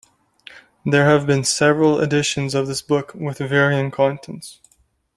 There have been several editions of this book with varying contents.